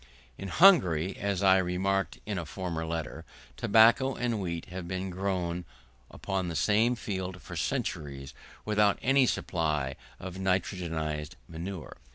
In Hungary, as I remarked in a former Letter, tobacco and wheat have been grown upon the same field for centuries, without any supply of nitrogenised manure.